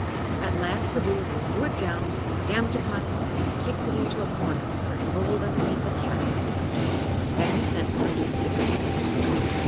At last the Boolooroo threw it down and stamped upon it and then kicked it into a corner, where it rolled underneath a cabinet. Then he sent for Ghip Ghisizzle.